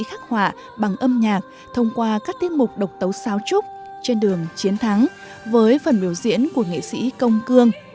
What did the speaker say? mười năm qua anh vẫn còn vẫn còn sống mãi